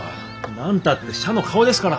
何たって社の顔ですから。